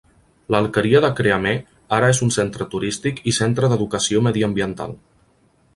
L'alqueria de Creamer ara és un centre turístic i centre d'educació mediambiental.